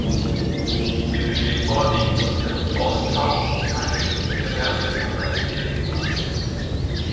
Sie besteht vorwiegend aus einem Forsthaus, einer Jugendherberge und einem Ferienlager.